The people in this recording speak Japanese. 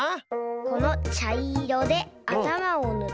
このちゃいろであたまをぬって。